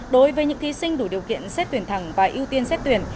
đối với những thí sinh đủ điều kiện xét tuyển thẳng và ưu tiên xét tuyển